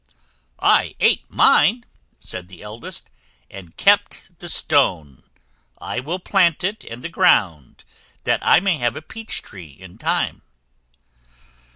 "I ate mine," said the eldest, "and kept the stone. I will plant it in the ground, that I may have a peach tree, in time."